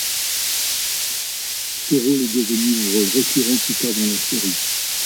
Ce rôle est devenu un rôle récurrent plus tard dans la série.